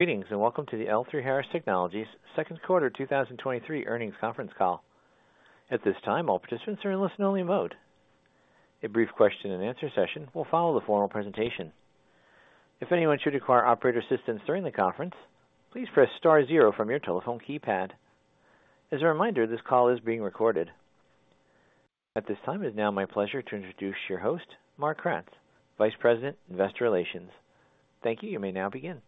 Greetings, welcome to the L3Harris Technologies second quarter 2023 earnings conference call. At this time, all participants are in listen-only mode. A brief question and answer session will follow the formal presentation. If anyone should require operator assistance during the conference, please press star zero from your telephone keypad. As a reminder, this call is being recorded. At this time, it is now my pleasure to introduce your host, Mark Kratz, Vice President, Investor Relations. Thank you. You may now begin.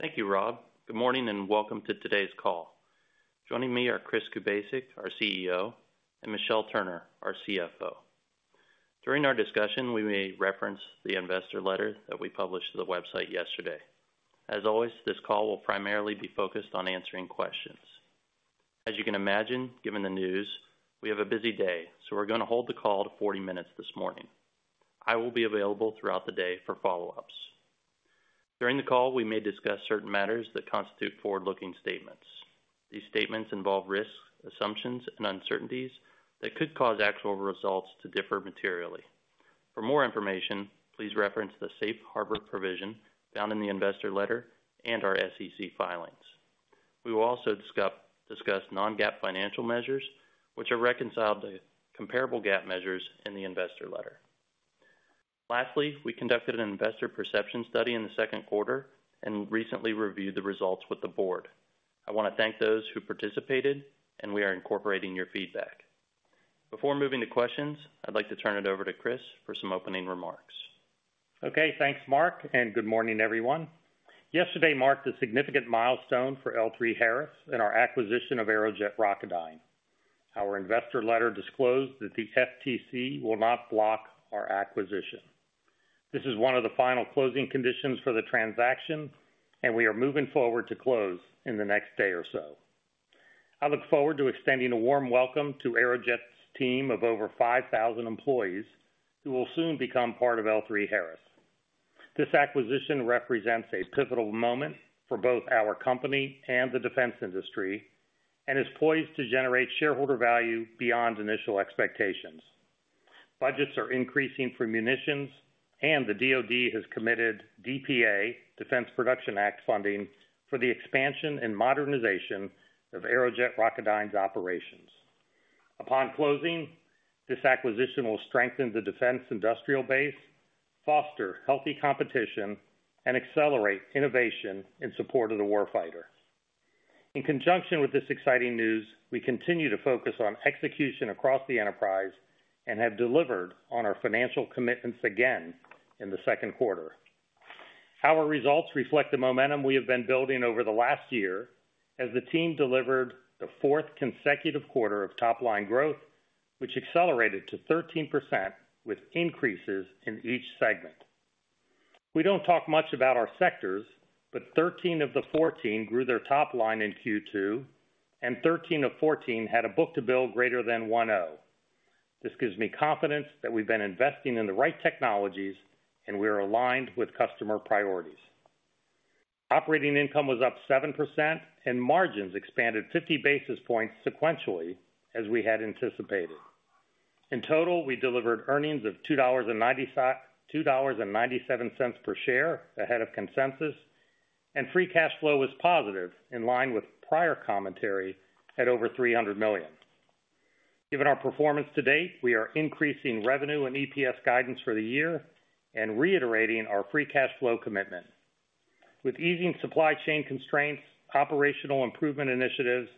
Thank you, Rob. Good morning, welcome to today's call. Joining me are Chris Kubasik, our CEO, and Michelle Turner, our CFO. During our discussion, we may reference the investor letter that we published to the website yesterday. As always, this call will primarily be focused on answering questions. As you can imagine, given the news, we have a busy day, so we're gonna hold the call to 40 minutes this morning. I will be available throughout the day for follow-ups. During the call, we may discuss certain matters that constitute forward-looking statements. These statements involve risks, assumptions, and uncertainties that could cause actual results to differ materially. For more information, please reference the Safe Harbor provision down in the investor letter and our SEC filings. We will also discuss non-GAAP financial measures, which are reconciled to comparable GAAP measures in the investor letter. Lastly, we conducted an investor perception study in the second quarter and recently reviewed the results with the board. I wanna thank those who participated. We are incorporating your feedback. Before moving to questions, I'd like to turn it over to Chris for some opening remarks. Okay. Thanks, Mark, good morning, everyone. Yesterday marked a significant milestone for L3Harris in our acquisition of Aerojet Rocketdyne. Our investor letter disclosed that the FTC will not block our acquisition. This is one of the final closing conditions for the transaction, and we are moving forward to close in the next day or so. I look forward to extending a warm welcome to Aerojet's team of over 5,000 employees, who will soon become part of L3Harris. This acquisition represents a pivotal moment for both our company and the defense industry and is poised to generate shareholder value beyond initial expectations. Budgets are increasing for munitions, and the DoD has committed DPA, Defense Production Act funding for the expansion and modernization of Aerojet Rocketdyne's operations. Upon closing, this acquisition will strengthen the defense industrial base, foster healthy competition, and accelerate innovation in support of the war fighter. In conjunction with this exciting news, we continue to focus on execution across the enterprise and have delivered on our financial commitments again in the second quarter. Our results reflect the momentum we have been building over the last year, as the team delivered the fourth consecutive quarter of top-line growth, which accelerated to 13%, with increases in each segment. Thirteen of the 14 grew their top line in Q2, and 13 of 14 had a book-to-bill greater than 1.0. This gives me confidence that we've been investing in the right technologies, and we are aligned with customer priorities. Operating income was up 7%, and margins expanded 50 basis points sequentially, as we had anticipated. In total, we delivered earnings of $2.97 per share, ahead of consensus, and free cash flow was positive, in line with prior commentary, at over $300 million. Given our performance to date, we are increasing revenue and EPS guidance for the year and reiterating our free cash flow commitment. Easing supply chain constraints, operational improvement initiatives,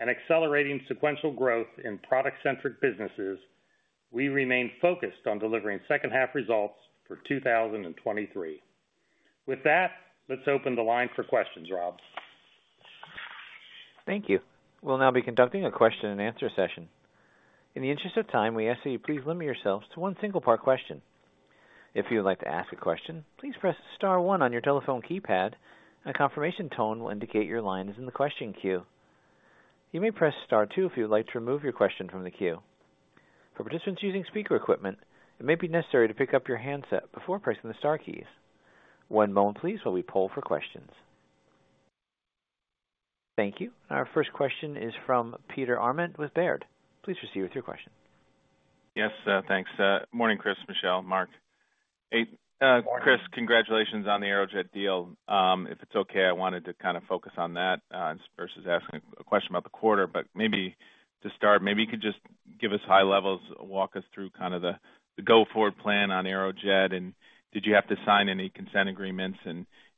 and accelerating sequential growth in product-centric businesses, we remain focused on delivering second half results for 2023. Let's open the line for questions, Rob. Thank you. We'll now be conducting a question and answer session. In the interest of time, we ask that you please limit yourselves to one single-part question. If you would like to ask a question, please press star one on your telephone keypad, and a confirmation tone will indicate your line is in the question queue. You may press star two if you would like to remove your question from the queue. For participants using speaker equipment, it may be necessary to pick up your handset before pressing the star keys. One moment, please, while we poll for questions. Thank you. Our first question is from Peter Arment with Baird. Please proceed with your question. Yes, thanks. Morning, Chris, Michelle, Mark. Good morning. Chris, congratulations on the Aerojet deal. If it's okay, I wanted to kind of focus on that versus asking a question about the quarter. Maybe to start, maybe you could just give us high levels, walk us through kind of the go-forward plan on Aerojet, and did you have to sign any consent agreements?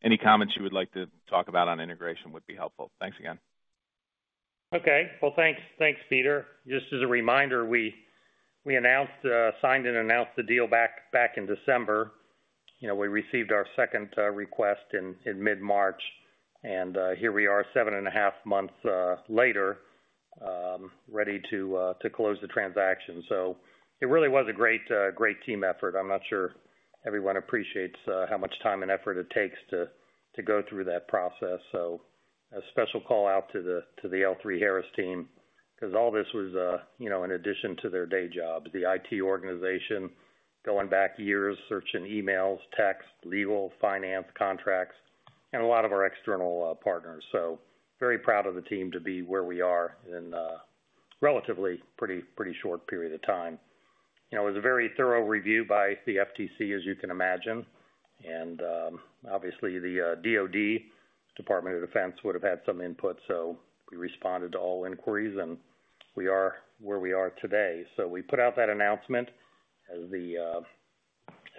Any comments you would like to talk about on integration would be helpful. Thanks again. Okay. Well, thanks. Thanks, Peter. Just as a reminder, we announced, signed and announced the deal back in December. You know, we received our second request in mid-March, here we are, seven and a half months later, ready to close the transaction. It really was a great team effort. I'm not sure everyone appreciates how much time and effort it takes to go through that process. A special call out to the L3Harris team, 'cause all this was, you know, in addition to their day jobs. The IT organization going back years, searching emails, texts, legal, finance, contracts, and a lot of our external partners. Very proud of the team to be where we are in a relatively pretty short period of time. You know, it was a very thorough review by the FTC, as you can imagine. Obviously, the DoD, Department of Defense, would have had some input, we responded to all inquiries, and we are where we are today. We put out that announcement as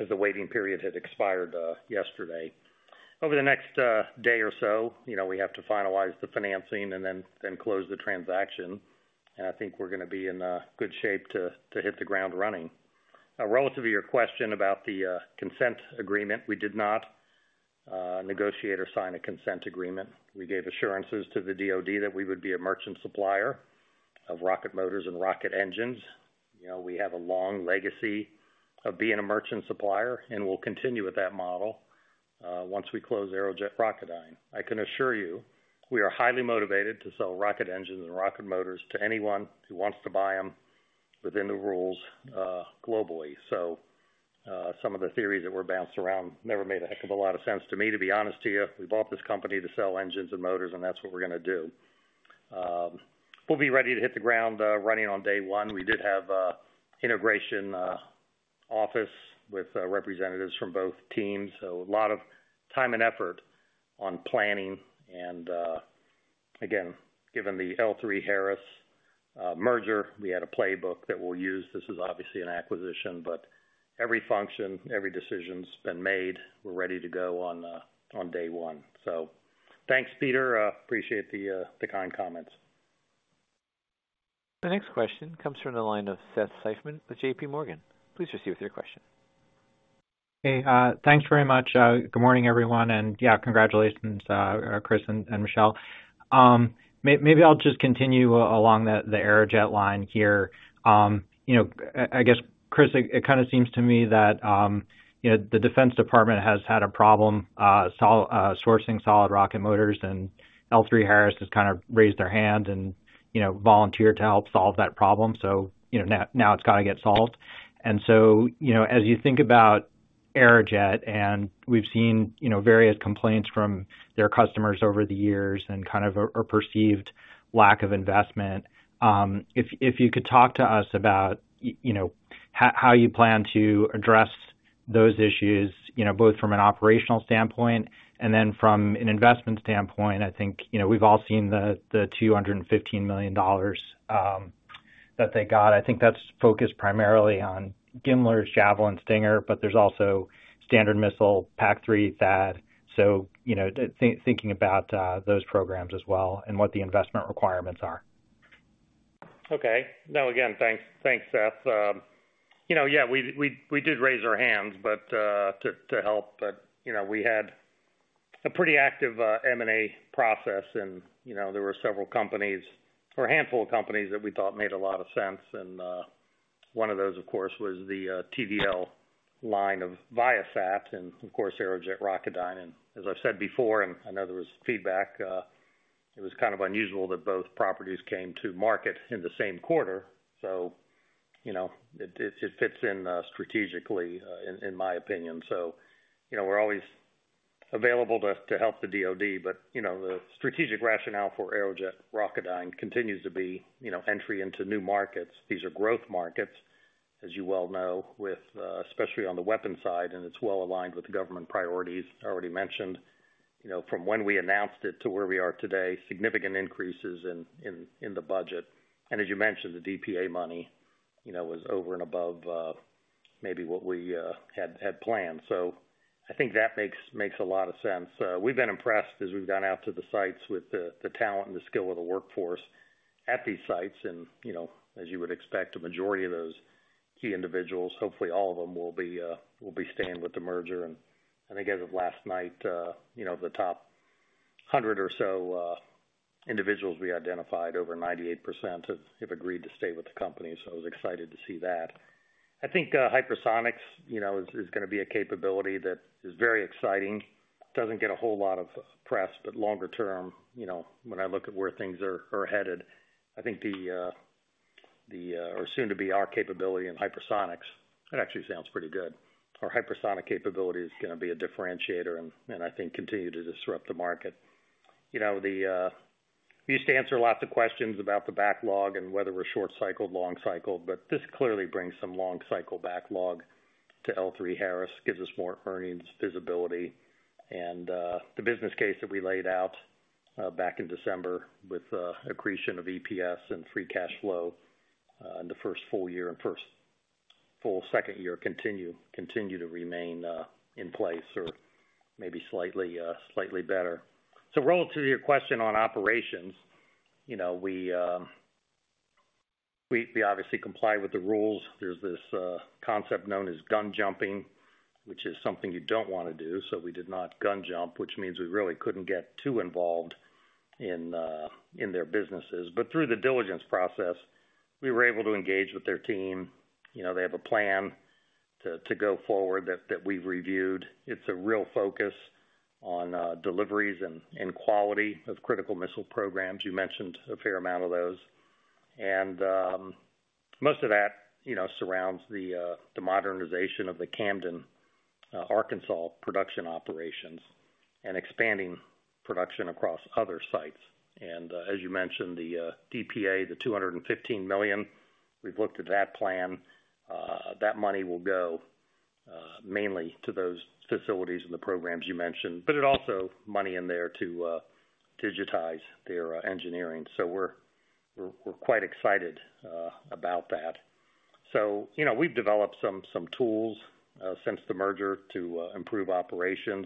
the waiting period had expired yesterday. Over the next day or so, you know, we have to finalize the financing and then close the transaction, and I think we're gonna be in good shape to hit the ground running. Now, relative to your question about the consent agreement, we did not negotiate or sign a consent agreement. We gave assurances to the DoD that we would be a merchant supplier of rocket motors and rocket engines. You know, we have a long legacy of being a merchant supplier, and we'll continue with that model once we close Aerojet Rocketdyne. I can assure you, we are highly motivated to sell rocket engines and rocket motors to anyone who wants to buy them within the rules globally. Some of the theories that were bounced around never made a heck of a lot of sense to me, to be honest to you. We bought this company to sell engines and motors, and that's what we're gonna do. We'll be ready to hit the ground running on day one. We did have a integration office with representatives from both teams, so a lot of time and effort on planning. Again, given the L3Harris merger, we had a playbook that we'll use. This is obviously an acquisition, every function, every decision's been made. We're ready to go on, on day 1. Thanks, Peter. Appreciate the kind comments. The next question comes from the line of Seth Seifman with JPMorgan. Please proceed with your question. Hey, thanks very much. Good morning, everyone. Yeah, congratulations, Chris and Michelle. Maybe I'll just continue along the Aerojet line here. You know, I guess, Chris, it kind of seems to me that, you know, the Defense Department has had a problem sourcing solid rocket motors, and L3Harris has kind of raised their hand and, you know, volunteered to help solve that problem. You know, now it's gotta get solved. You know, as you think about Aerojet, and we've seen, you know, various complaints from their customers over the years and kind of a perceived lack of investment, if you could talk to us about, you know, how you plan to address those issues, you know, both from an operational standpoint and then from an investment standpoint, I think, you know, we've all seen the $215 million that they got. I think that's focused primarily on GMLRS, Javelin, Stinger, but there's also Standard Missile, PAC-3, THAAD. You know, thinking about those programs as well and what the investment requirements are. Okay. Now, again, thanks. Thanks, Seth. You know, yeah, we did raise our hands, but to help, but you know, we had a pretty active M&A process. You know, there were several companies or a handful of companies that we thought made a lot of sense. One of those, of course, was the TDL line of Viasat and, of course, Aerojet Rocketdyne. As I've said before, and I know there was feedback, it was kind of unusual that both properties came to market in the same quarter. You know, it fits in strategically, in my opinion. You know, we're always available to help the DoD, but you know, the strategic rationale for Aerojet Rocketdyne continues to be, you know, entry into new markets. These are growth markets, as you well know, with especially on the weapon side, and it's well aligned with the government priorities. I already mentioned, you know, from when we announced it to where we are today, significant increases in the budget. As you mentioned, the DPA money, you know, was over and above maybe what we had planned. I think that makes a lot of sense. We've been impressed as we've gone out to the sites with the talent and the skill of the workforce at these sites. You know, as you would expect, a majority of those key individuals, hopefully, all of them, will be staying with the merger. I think as of last night, you know, the top 100 or so individuals we identified, over 98% have agreed to stay with the company. I was excited to see that. I think hypersonics, you know, is gonna be a capability that is very exciting. Doesn't get a whole lot of press, but longer term, you know, when I look at where things are headed, I think the or soon to be our capability in hypersonics, that actually sounds pretty good. Our hypersonic capability is gonna be a differentiator and I think continue to disrupt the market. You know, the we used to answer lots of questions about the backlog and whether we're short cycle, long cycle, but this clearly brings some long cycle backlog to L3Harris, gives us more earnings, visibility. The business case that we laid out back in December with accretion of EPS and free cash flow in the first full year and first full second year continue to remain in place or maybe slightly slightly better. Relative to your question on operations, you know, we obviously comply with the rules. There's this concept known as gun jumping, which is something you don't wanna do. We did not gun jump, which means we really couldn't get too involved in their businesses. Through the diligence process, we were able to engage with their team. You know, they have a plan to go forward that we've reviewed. It's a real focus on deliveries and quality of critical missile programs. You mentioned a fair amount of those. Most of that, you know, surrounds the modernization of the Camden, Arkansas production operations and expanding production across other sites. As you mentioned, the DPA, the $215 million, we've looked at that plan. That money will go mainly to those facilities and the programs you mentioned, but it also money in there to digitize their engineering. We're quite excited about that. You know, we've developed some tools since the merger to improve operations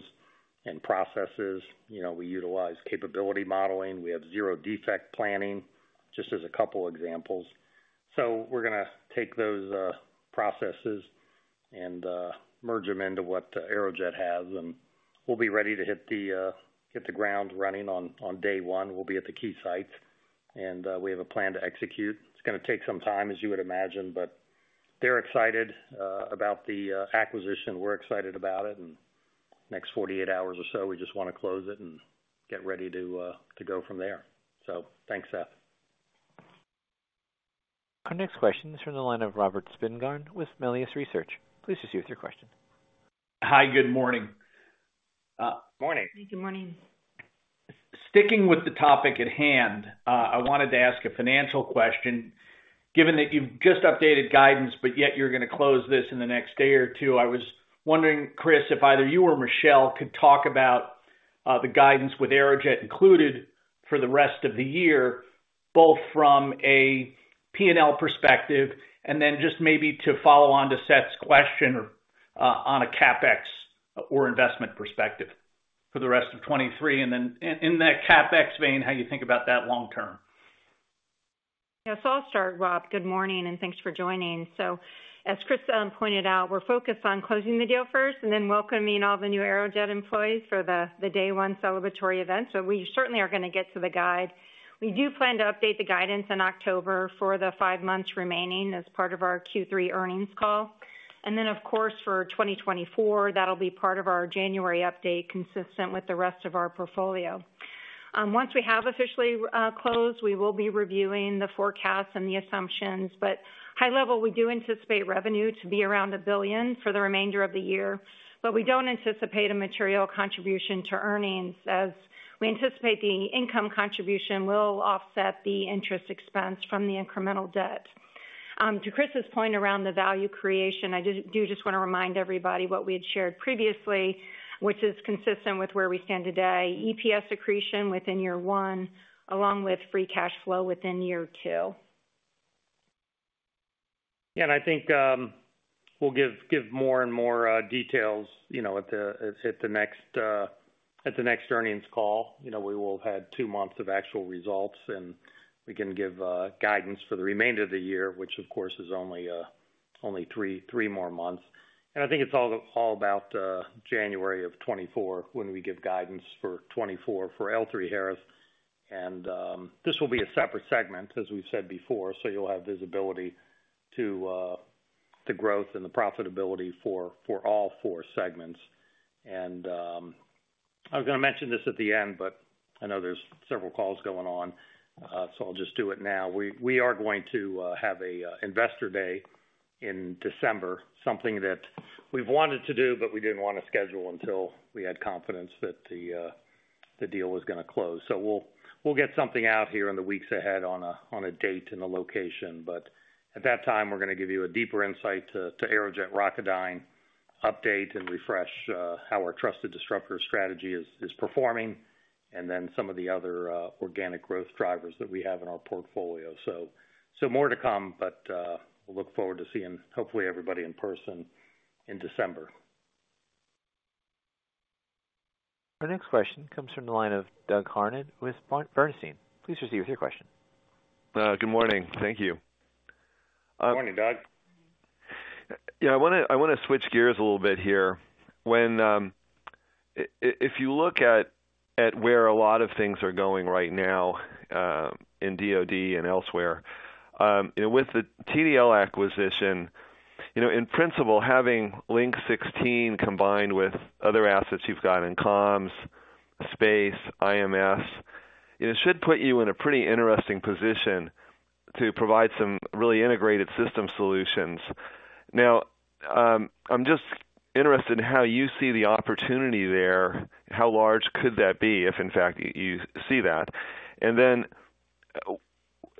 and processes. You know, we utilize capability modeling. We have zero defect planning, just as a couple examples. We're gonna take those processes and merge them into what Aerojet has, and we'll be ready to hit the ground running on day one. We'll be at the key sites. We have a plan to execute. It's gonna take some time, as you would imagine. They're excited about the acquisition. We're excited about it. Next 48 hours or so, we just wanna close it and get ready to go from there. Thanks, Seth. Next question is from the line of Robert Spingarn with Melius Research. Please proceed with your question. Hi, good morning. Morning. Good morning. Sticking with the topic at hand, I wanted to ask a financial question. Given that you've just updated guidance, but yet you're gonna close this in the next day or two, I was wondering, Chris, if either you or Michelle could talk about the guidance with Aerojet included for the rest of the year, both from a P&L perspective, and then just maybe to follow on to Seth's question, on a CapEx or investment perspective for the rest of 2023, and then in that CapEx vein, how you think about that long term? I'll start, Rob. Good morning, thanks for joining. As Chris pointed out, we're focused on closing the deal first and then welcoming all the new Aerojet employees for the day one celebratory event. We certainly are gonna get to the guide. We do plan to update the guidance in October for the five months remaining as part of our Q3 earnings call. Of course, for 2024, that'll be part of our January update, consistent with the rest of our portfolio. Once we have officially closed, we will be reviewing the forecast and the assumptions, high level, we do anticipate revenue to be around $1 billion for the remainder of the year. We don't anticipate a material contribution to earnings, as we anticipate the income contribution will offset the interest expense from the incremental debt. To Chris's point around the value creation, I do just wanna remind everybody what we had shared previously, which is consistent with where we stand today, EPS accretion within year 1, along with free cash flow within year 2. Yeah, I think we'll give more and more details, you know, at the next earnings call. You know, we will have had 2 months of actual results, we can give guidance for the remainder of the year, which of course, is only 3 more months. I think it's all about January of 2024, when we give guidance for 2024 for L3Harris. This will be a separate segment, as we've said before, so you'll have visibility to growth and the profitability for all 4 segments. I was gonna mention this at the end, I know there's several calls going on, I'll just do it now. We are going to have an investor day in December, something that we've wanted to do, but we didn't want to schedule until we had confidence that the deal was gonna close. We'll get something out here in the weeks ahead on a date and a location. At that time, we're gonna give you a deeper insight to Aerojet Rocketdyne, update and refresh how our Trusted Disruptor strategy is performing, and then some of the other organic growth drivers that we have in our portfolio. More to come, but we'll look forward to seeing hopefully everybody in person in December. Our next question comes from the line of Doug Harned with Bernstein. Please proceed with your question. Good morning. Thank you. Good morning, Doug. Yeah, I wanna switch gears a little bit here. When if you look at where a lot of things are going right now, in DoD and elsewhere, and with the TDL acquisition, you know, in principle, having Link 16 combined with other assets you've got in comms, space, IMS, it should put you in a pretty interesting position to provide some really integrated system solutions. Now, I'm just interested in how you see the opportunity there. How large could that be, if in fact, you see that?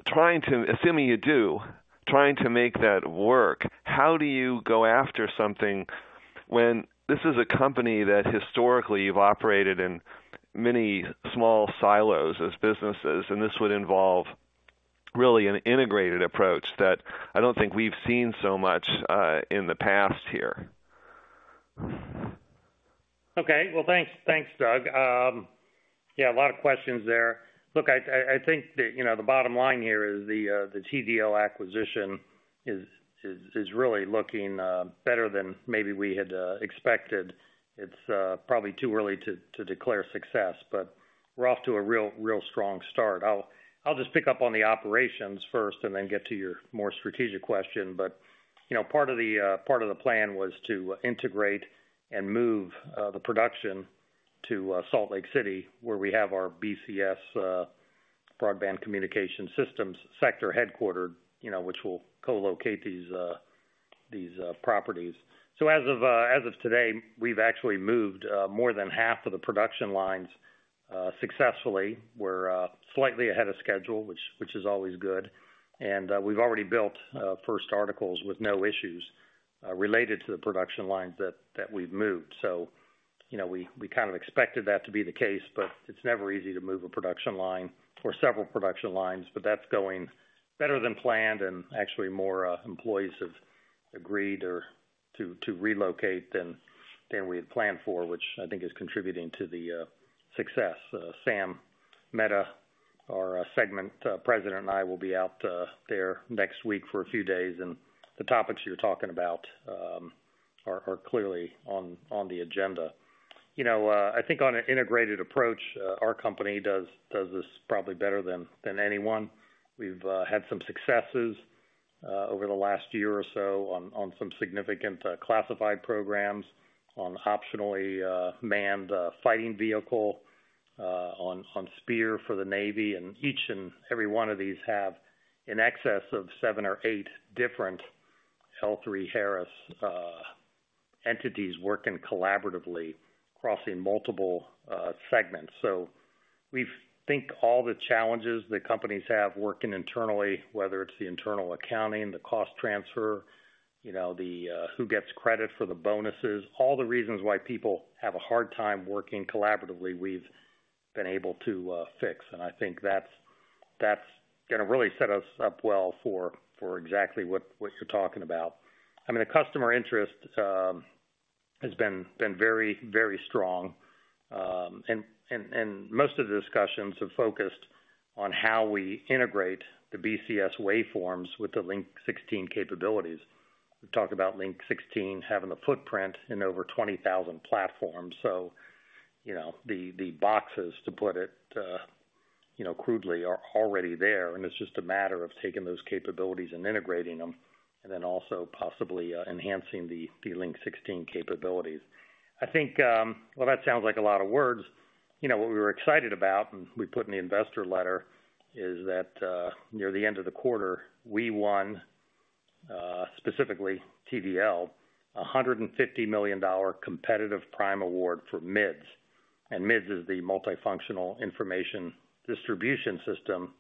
Assuming you do, trying to make that work, how do you go after something when this is a company that historically you've operated in many small silos as businesses, and this would involve really an integrated approach that I don't think we've seen so much in the past here? Okay. Well, thanks. Thanks, Doug. Yeah, a lot of questions there. Look, I think the, you know, the bottom line here is the TDL acquisition is really looking better than maybe we had expected. It's probably too early to declare success, but we're off to a real strong start. I'll just pick up on the operations first and then get to your more strategic question. You know, part of the plan was to integrate and move the production to Salt Lake City, where we have our BCS facility, Broadband Communication Systems sector headquartered, you know, which will co-locate these properties. As of today, we've actually moved more than half of the production lines successfully. We're slightly ahead of schedule, which is always good. We've already built first articles with no issues related to the production lines that we've moved. You know, we kind of expected that to be the case, but it's never easy to move a production line or several production lines. That's going better than planned, and actually, more employees have agreed to relocate than we had planned for, which I think is contributing to the success. Sam Mehta, our segment president, and I will be out there next week for a few days, and the topics you're talking about are clearly on the agenda. You know, I think on an integrated approach, our company does this probably better than anyone. We've had some successes over the last year or so on some significant classified programs, on Optionally Manned Fighting Vehicle, on SPEIR for the Navy, and each and every one of these have in excess of 7 or 8 different L3Harris entities working collaboratively, crossing multiple segments. We've think all the challenges the companies have working internally, whether it's the internal accounting, the cost transfer, you know, the who gets credit for the bonuses, all the reasons why people have a hard time working collaboratively, we've been able to fix. I think that's gonna really set us up well for exactly what you're talking about. I mean, the customer interest has been very strong. Most of the discussions have focused on how we integrate the BCS waveforms with the Link-16 capabilities. We've talked about Link-16 having a footprint in over 20,000 platforms. You know, the boxes, to put it, you know, crudely, are already there, and it's just a matter of taking those capabilities and integrating them, and then also possibly enhancing the Link-16 capabilities. I think, well, that sounds like a lot of words. You know, what we were excited about, and we put in the investor letter, is that near the end of the quarter, we won specifically TDL, a $150 million competitive prime award for MIDS. MIDS is the Multifunctional Information Distribution System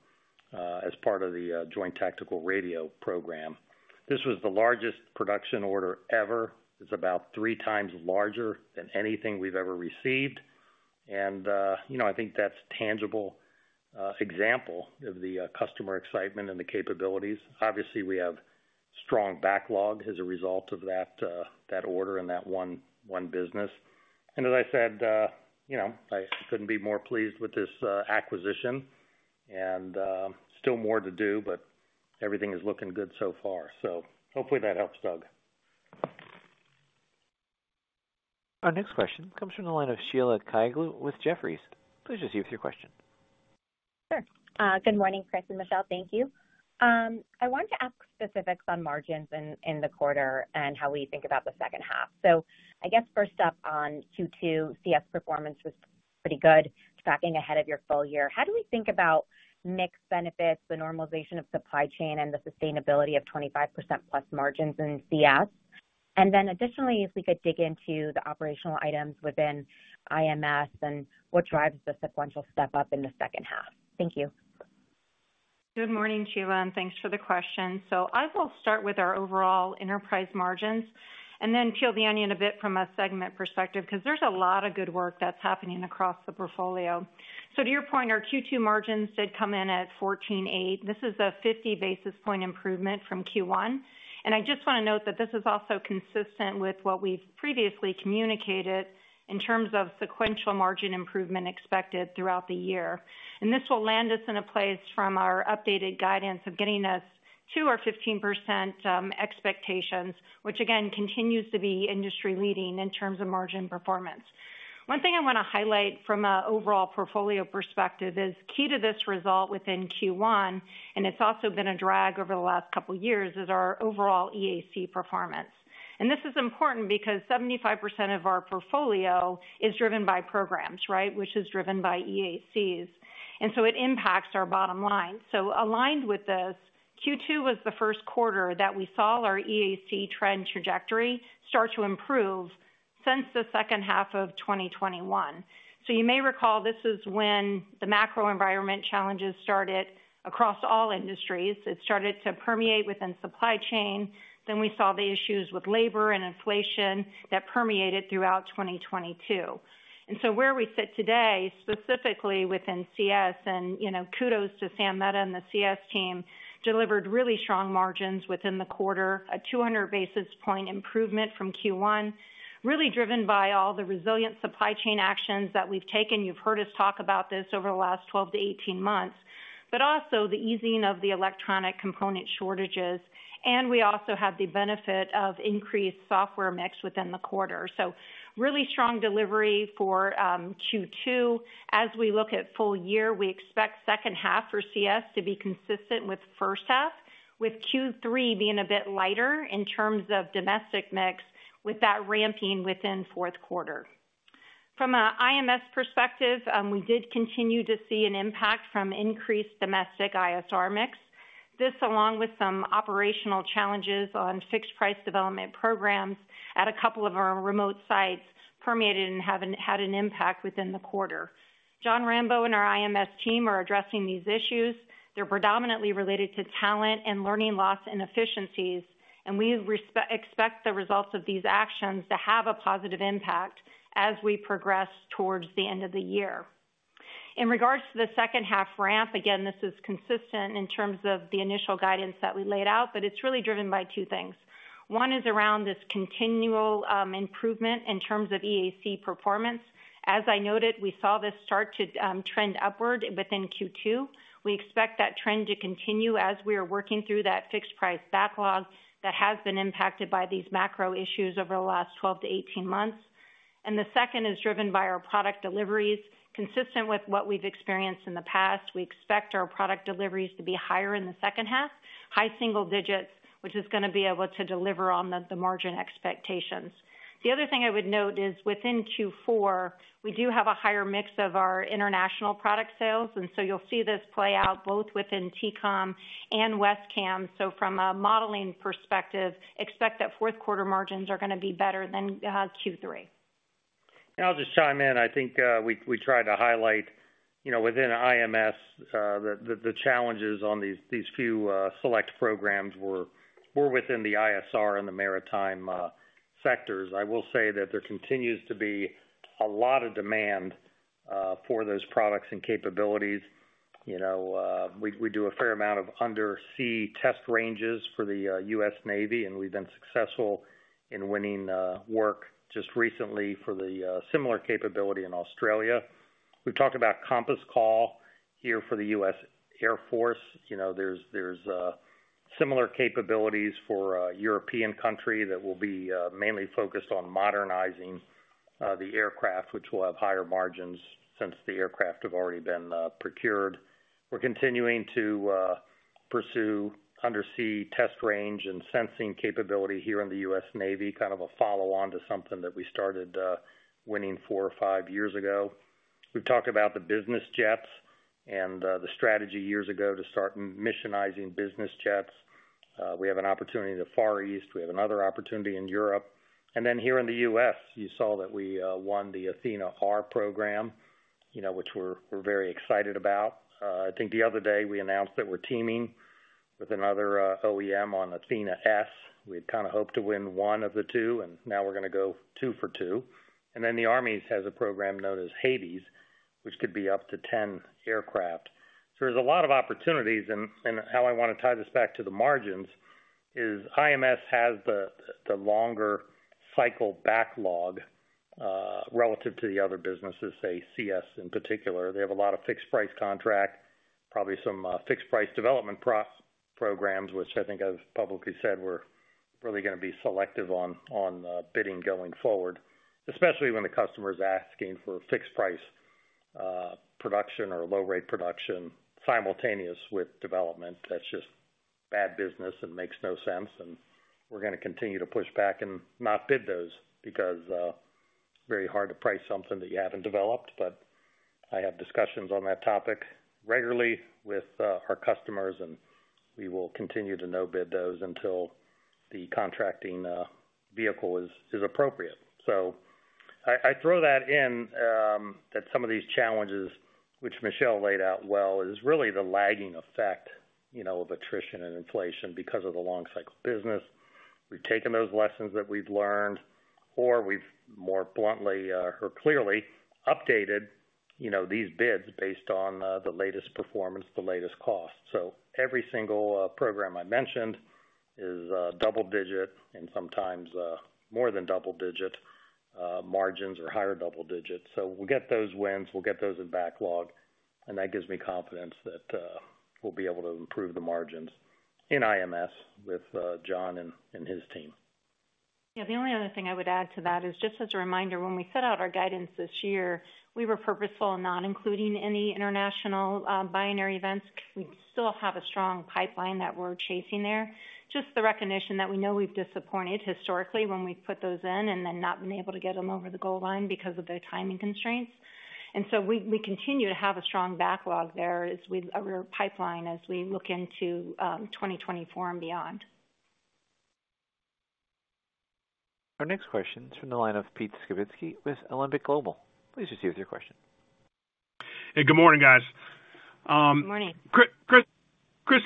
as part of the Joint Tactical Radio program. This was the largest production order ever. It's about three times larger than anything we've ever received. you know, I think that's tangible example of the customer excitement and the capabilities. Obviously, we have strong backlog as a result of that order and that one business. As I said, you know, I couldn't be more pleased with this acquisition and still more to do, but everything is looking good so far. Hopefully that helps, Doug. Our next question comes from the line of Sheila Kahyaoglu with Jefferies. Please just leave us your question. Sure. Good morning, Chris and Michelle, thank you. I wanted to ask specifics on margins in the quarter and how we think about the second half. I guess first up, on Q2, CS performance was pretty good, tracking ahead of your full year. How do we think about mix benefits, the normalization of supply chain, and the sustainability of 25% plus margins in CS? Additionally, if we could dig into the operational items within IMS and what drives the sequential step up in the second half. Thank you. Good morning, Sheila. Thanks for the question. I will start with our overall enterprise margins and then peel the onion a bit from a segment perspective, because there's a lot of good work that's happening across the portfolio. To your point, our Q2 margins did come in at 14.8%. This is a 50 basis point improvement from Q1. I just want to note that this is also consistent with what we've previously communicated in terms of sequential margin improvement expected throughout the year. This will land us in a place from our updated guidance of getting us to our 15% expectations, which again, continues to be industry-leading in terms of margin performance. One thing I want to highlight from a overall portfolio perspective is, key to this result within Q1, and it's also been a drag over the last couple years, is our overall EAC performance. This is important because 75% of our portfolio is driven by programs, right, which is driven by EACs, and so it impacts our bottom line. Aligned with this, Q2 was the first quarter that we saw our EAC trend trajectory start to improve since the second half of 2021. You may recall, this is when the macro environment challenges started across all industries. It started to permeate within supply chain. We saw the issues with labor and inflation that permeated throughout 2022. Where we sit today, specifically within CS, and, you know, kudos to Sam Mehta and the CS team, delivered really strong margins within the quarter, a 200 basis point improvement from Q1, really driven by all the resilient supply chain actions that we've taken. You've heard us talk about this over the last 12 to 18 months, but also the easing of the electronic component shortages, and we also have the benefit of increased software mix within the quarter. Really strong delivery for Q2. As we look at full year, we expect second half for CS to be consistent with first half, with Q3 being a bit lighter in terms of domestic mix, with that ramping within fourth quarter. From a IMS perspective, we did continue to see an impact from increased domestic ISR mix. This, along with some operational challenges on fixed price development programs at a couple of our remote sites, permeated and had an impact within the quarter. Jon Rambeau and our IMS team are addressing these issues. They're predominantly related to talent and learning loss inefficiencies, and we expect the results of these actions to have a positive impact as we progress towards the end of the year. In regards to the second half ramp, again, this is consistent in terms of the initial guidance that we laid out, but it's really driven by two things. One is around this continual improvement in terms of EAC performance. As I noted, we saw this start to trend upward within Q2. We expect that trend to continue as we are working through that fixed price backlog that has been impacted by these macro issues over the last 12 to 18 months. The second is driven by our product deliveries. Consistent with what we've experienced in the past, we expect our product deliveries to be higher in the second half, high single digits, which is gonna be able to deliver on the margin expectations. The other thing I would note is, within Q4, we do have a higher mix of our international product sales, and so you'll see this play out both within TCOM and WESCAM. From a modeling perspective, expect that fourth quarter margins are gonna be better than Q3. I'll just chime in. I think we try to highlight, you know, within IMS, the challenges on these, these few, select programs were within the ISR and the maritime sectors. I will say that there continues to be a lot of demand for those products and capabilities. You know, we do a fair amount of undersea test ranges for the U.S. Navy, and we've been successful in winning work just recently for the similar capability in Australia. We've talked about Compass Call here for the U.S. Air Force. You know, there's similar capabilities for a European country that will be mainly focused on modernizing the aircraft, which will have higher margins since the aircraft have already been procured. We're continuing to pursue undersea test range and sensing capability here in the U.S. Navy, kind of a follow-on to something that we started winning four or five years ago. We've talked about the business jets and the strategy years ago to start missionizing business jets. We have an opportunity in the Far East. We have another opportunity in Europe. Here in the U.S., you saw that we won the ATHENA-R program, you know, which we're very excited about. I think the other day, we announced that we're teaming with another OEM on ATHENA-S. We had kind of hoped to win one of the two, and now we're gonna go two for two. The Army has a program known as HADES, which could be up to 10 aircraft. There's a lot of opportunities, and how I wanna tie this back to the margins is IMS has the longer cycle backlog relative to the other businesses, say, CS in particular. They have a lot of fixed price contract, probably some fixed price development programs, which I think I've publicly said, we're really gonna be selective on bidding going forward, especially when the customer is asking for a fixed price production or a low rate production simultaneous with development. That's just bad business and makes no sense, and we're gonna continue to push back and not bid those because very hard to price something that you haven't developed. I have discussions on that topic regularly with our customers, and we will continue to no bid those until the contracting vehicle is appropriate. I throw that in, that some of these challenges, which Michelle laid out well, is really the lagging effect, you know, of attrition and inflation because of the long cycle business. We've taken those lessons that we've learned, or we've more bluntly, or clearly updated, you know, these bids based on the latest performance, the latest cost. Every single program I mentioned is double digit and sometimes more than double digit margins or higher double digits. We'll get those wins, we'll get those in backlog, and that gives me confidence that we'll be able to improve the margins in IMS with Jon and his team. The only other thing I would add to that is, just as a reminder, when we set out our guidance this year, we were purposeful in not including any international binary events. We still have a strong pipeline that we're chasing there. Just the recognition that we know we've disappointed historically when we've put those in and then not been able to get them over the goal line because of the timing constraints. We continue to have a strong backlog there or pipeline, as we look into 2024 and beyond. Our next question is from the line of Pete Skibitski with Alembic Global. Please proceed with your question. Hey, good morning, guys. Good morning. Chris,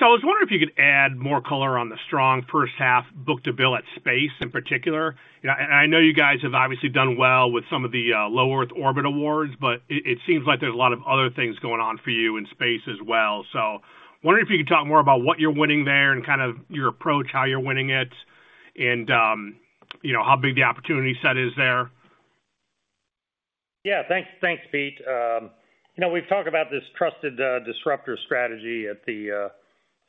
I was wondering if you could add more color on the strong first half book-to-bill at space in particular. You know, I know you guys have obviously done well with some of the low Earth orbit awards, but it seems like there's a lot of other things going on for you in space as well. Wondering if you could talk more about what you're winning there and kind of your approach, how you're winning it, and, you know, how big the opportunity set is there? Yeah, thanks. Thanks, Pete. You know, we've talked about this Trusted Disruptor strategy at the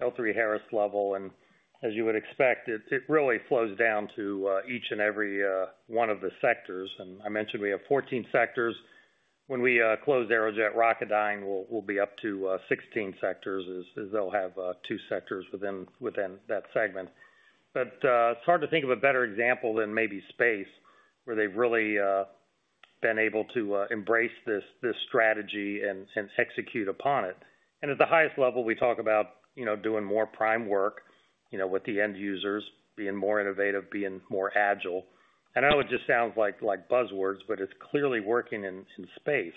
L3Harris level, as you would expect, it really flows down to each and every one of the sectors. I mentioned we have 14 sectors. When we close Aerojet Rocketdyne, we'll be up to 16 sectors, as they'll have two sectors within that segment. It's hard to think of a better example than maybe space, where they've really been able to embrace this strategy and execute upon it. At the highest level, we talk about, you know, doing more prime work, you know, with the end users, being more innovative, being more agile. I know it just sounds like buzzwords, but it's clearly working in space.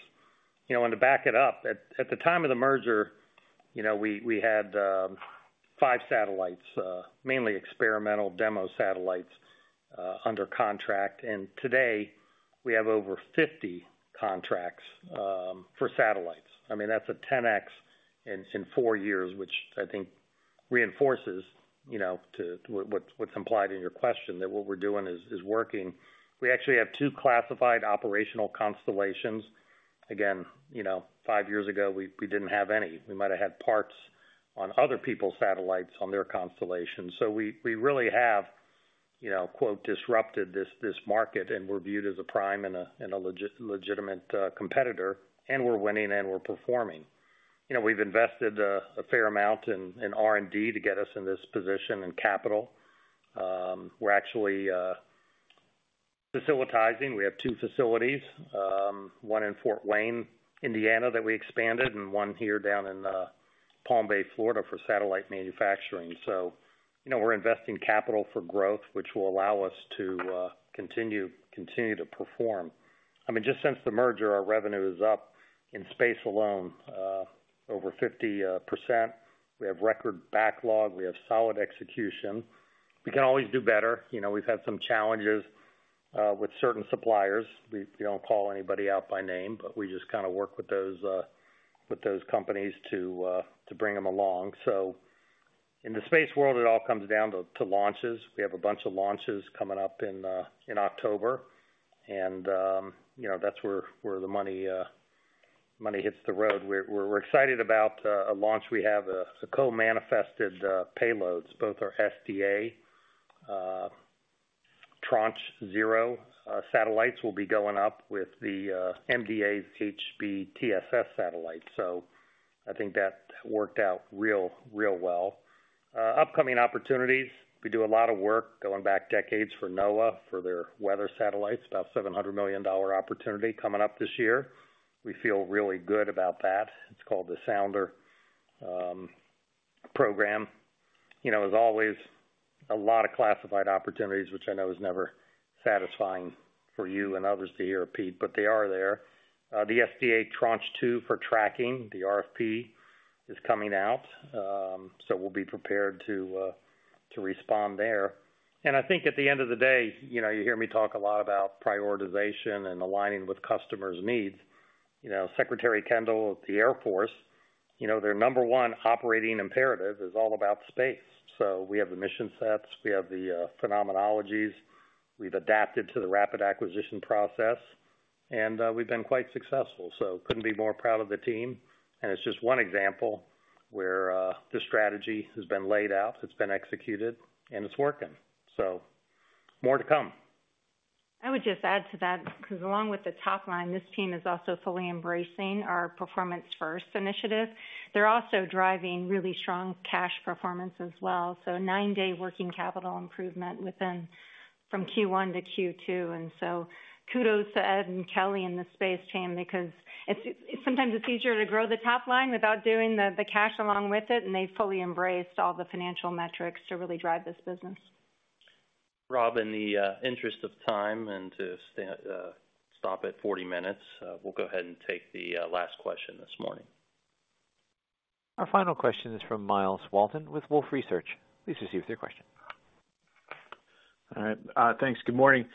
You know, to back it up, at the time of the merger, you know, we had 5 satellites, mainly experimental demo satellites, under contract. Today, we have over 50 contracts for satellites. I mean, that's a 10x in 4 years, which I think reinforces, you know, to what's implied in your question, that what we're doing is working. We actually have 2 classified operational constellations. Again, you know, 5 years ago, we didn't have any. We might have had parts on other people's satellites, on their constellations. We really have, you know, quote, "disrupted" this market, and we're viewed as a prime and a legitimate competitor, and we're winning and we're performing. You know, we've invested a fair amount in, in R&D to get us in this position, in capital. We're actually facilitizing. We have two facilities, one in Fort Wayne, Indiana, that we expanded, and one here down in Palm Bay, Florida, for satellite manufacturing. You know, we're investing capital for growth, which will allow us to continue to perform. I mean, just since the merger, our revenue is up, in space alone, over 50%. We have record backlog. We have solid execution. We can always do better. You know, we've had some challenges with certain suppliers. We don't call anybody out by name, but we just kind of work with those with those companies to bring them along. In the space world, it all comes down to launches. We have a bunch of launches coming up in October, and you know, that's where the money hits the road. We're excited about a launch. We have a co-manifested payloads. Both our SDA Tranche 0 satellites will be going up with the MDA's HBTSS satellite, so I think that worked out real well. Upcoming opportunities, we do a lot of work going back decades for NOAA, for their weather satellites, about a $700 million opportunity coming up this year. We feel really good about that. It's called the Sounder program. You know, as always, a lot of classified opportunities, which I know is never satisfying for you and others to hear, Pete, but they are there. The SDA Tranche 2 for tracking, the RFP is coming out, we'll be prepared to respond there. I think at the end of the day, you know, you hear me talk a lot about prioritization and aligning with customers' needs. You know, Secretary Kendall, of the Air Force, you know, their number one operating imperative is all about space. We have the mission sets, we have the phenomenologies, we've adapted to the rapid acquisition process, and we've been quite successful. Couldn't be more proud of the team, and it's just one example where the strategy has been laid out, it's been executed, and it's working. More to come. I would just add to that, because along with the top line, this team is also fully embracing our Performance First initiative. They're also driving really strong cash performance as well. A nine-day working capital improvement from Q1 to Q2. Kudos to Ed and Kristin and the space team, because it's sometimes easier to grow the top line without doing the cash along with it, and they've fully embraced all the financial metrics to really drive this business. Rob, in the interest of time and to stop at 40 minutes, we'll go ahead and take the last question this morning. Our final question is from Myles Walton with Wolfe Research. Please proceed with your question. All right, thanks. Good morning.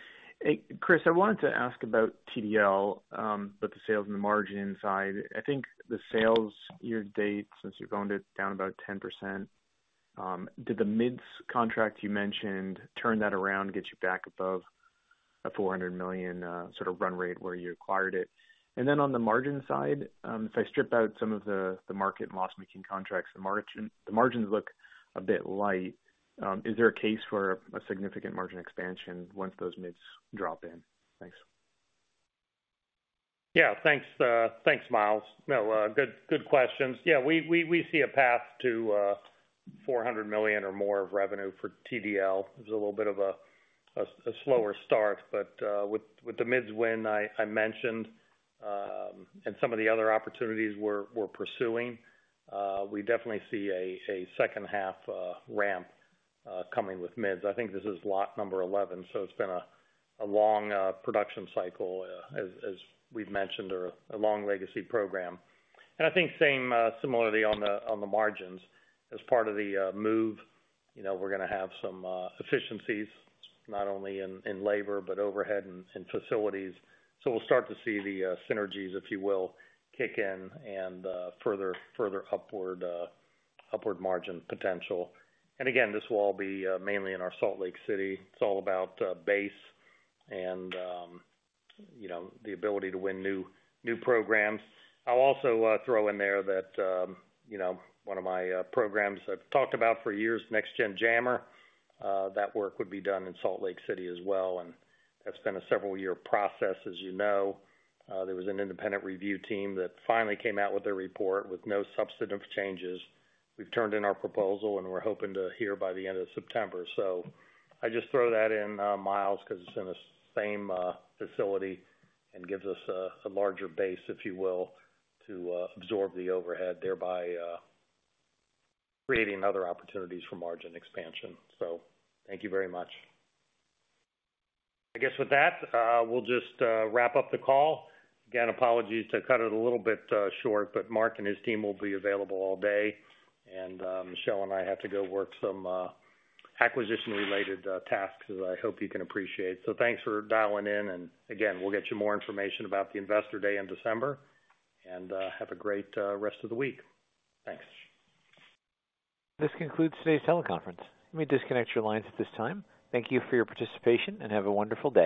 Hey, Chris, I wanted to ask about TDL, the sales and the margin inside. I think the sales year-to-date, since you're going to down about 10%, did the MIDS contract you mentioned, turn that around, get you back above a $400 million sort of run rate where you acquired it? On the margin side, if I strip out some of the market and loss making contracts, the margins look a bit light. Is there a case for a significant margin expansion once those MIDS drop in? Thanks. Yeah, thanks, thanks, Myles. Good questions. We see a path to $400 million or more of revenue for TDL. It was a little bit of a slower start, with the MIDS win I mentioned, and some of the other opportunities we're pursuing, we definitely see a second half ramp coming with MIDS. I think this is lot number 11, it's been a long production cycle as we've mentioned, or a long legacy program. I think same similarly on the margins. As part of the move, you know, we're gonna have some efficiencies, not only in labor, but overhead and facilities. We'll start to see the synergies, if you will, kick in and further upward margin potential. Again, this will all be mainly in our Salt Lake City. It's all about base and, you know, the ability to win new programs. I'll also throw in there that, you know, one of my programs I've talked about for years, Next Gen Jammer, that work would be done in Salt Lake City as well, and that's been a several year process, as you know. There was an independent review team that finally came out with a report with no substantive changes. We've turned in our proposal, and we're hoping to hear by the end of September. I just throw that in, Myles, because it's in the same facility and gives us a larger base, if you will, to absorb the overhead, thereby creating other opportunities for margin expansion. Thank you very much. I guess with that, we'll just wrap up the call. Again, apologies to cut it a little bit short, but Mark and his team will be available all day. Michelle and I have to go work some acquisition-related tasks, as I hope you can appreciate. Thanks for dialing in, and again, we'll get you more information about the Investor Day in December. Have a great rest of the week. Thanks. This concludes today's teleconference. You may disconnect your lines at this time. Thank you for your participation, and have a wonderful day.